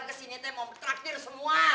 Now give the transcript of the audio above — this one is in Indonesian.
bang ojo saya pesen dua